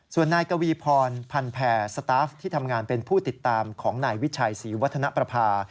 ส่วนนายกวีพรพันแผ่สตาฟที่ทำงานเป็นผู้ติดตามของนายวิชัยศรีวัฒนประภา